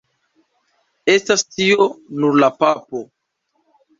Estas tio nur la papo!